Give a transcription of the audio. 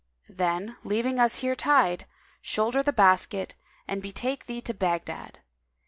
Then, leaving us here tied, shoulder the basket and betake thee to Baghdad.